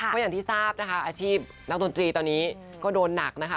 ก็อย่างที่ทราบนะคะอาชีพนักดนตรีตอนนี้ก็โดนหนักนะคะ